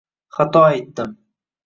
xato aytdim